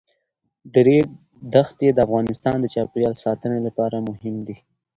د ریګ دښتې د افغانستان د چاپیریال ساتنې لپاره مهم دي.